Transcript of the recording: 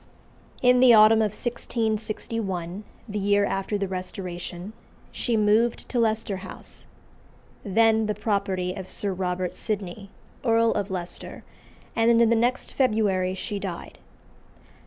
In the autumn of 1661, the year after the Restoration, she removed to Leicester House, then the property of Sir Robert Sydney, Earl of Leicester, and in the next February she died.